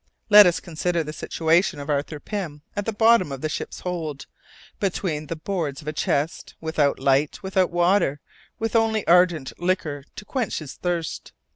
Let us consider the situation of Arthur Pym, at the bottom of the ship's hold, between the boards of a chest, without light, without water, with only ardent liquor to quench his thirst!